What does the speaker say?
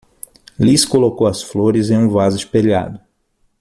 Liz colocou as flores em um vaso espelhado.